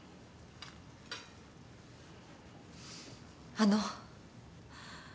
あの。